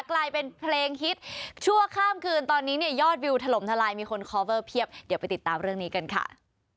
กลายเป็นเพลงฮิตชั่วข้ามคืนตอนนี้เนี่ยยอดวิวถล่มทลายมีคนคอเวอร์เพียบเดี๋ยวไปติดตามเรื่องนี้กันค่ะ